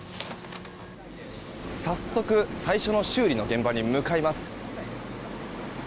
早速最初の修理の現場に向かいます。